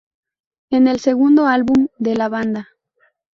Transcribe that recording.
Es el segundo álbum de la banda.